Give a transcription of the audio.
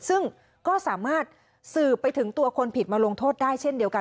ซึ่งก็สามารถสืบไปถึงตัวคนผิดมาลงโทษได้เช่นเดียวกัน